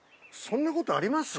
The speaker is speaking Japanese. そんなことあります？